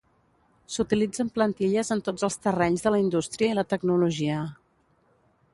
S'utilitzen plantilles en tots els terrenys de la indústria i la tecnologia.